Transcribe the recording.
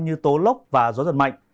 như tố lốc và gió giật mạnh